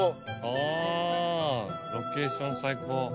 あぁロケーション最高。